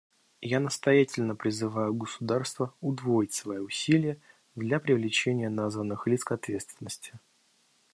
Я настоятельно призываю государства удвоить свои усилия для привлечения названных лиц к ответственности.